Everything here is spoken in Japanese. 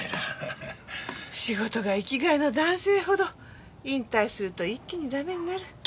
仕事が生きがいの男性ほど引退すると一気にダメになる。